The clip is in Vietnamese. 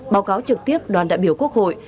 báo cáo trực tiếp đoàn đại biểu quốc hội